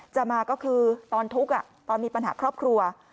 จะมาก็คือตอนทุกข์ตอนมีปัญหาครอบครัว